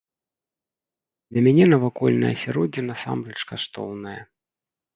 Для мяне навакольнае асяроддзе насамрэч каштоўнае.